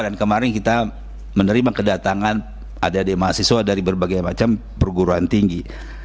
dan kemarin kita menerima kedatangan adik adik mahasiswa dari berbagai macam perguruan tinggi